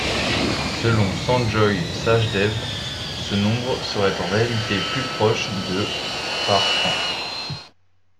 Selon Sanjoy Sachdev, ce nombre serait en réalité plus proche de par an.